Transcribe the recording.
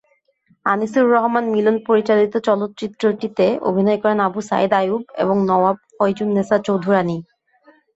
আনিসুর রহমান মিলন পরিচালিত চলচ্চিত্রটিতে অভিনয় করেন আবু সায়ীদ আইয়ুব এবং নওয়াব ফয়জুন্নেসা চৌধুরানী।